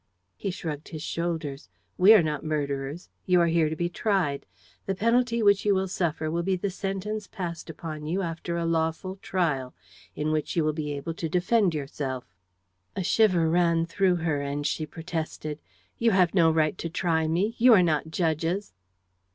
He shrugged his shoulders: "We are not murderers. You are here to be tried. The penalty which you will suffer will be the sentence passed upon you after a lawful trial, in which you will be able to defend yourself." A shiver ran through her; and she protested: "You have no right to try me; you are not judges."